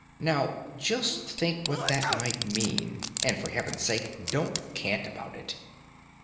Now, just think what that might mean; and, for Heaven's sake, don't cant about it.